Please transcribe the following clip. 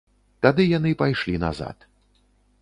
Тады яны пайшлі назад.